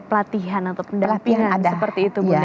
pelatihan atau pendampingan seperti itu